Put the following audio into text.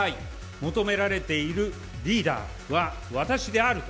求められているリーダーは私であると。